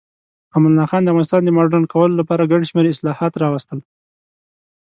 امان الله خان د افغانستان د مډرن کولو لپاره ګڼ شمیر اصلاحات راوستل.